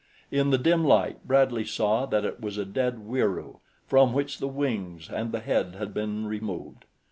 In the dim light Bradley saw that it was a dead Wieroo from which the wings and head had been removed.